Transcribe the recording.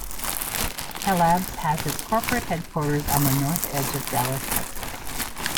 Tellabs has its corporate headquarters on the north edge of Dallas, Texas.